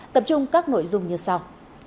tập trung các nội dung như sau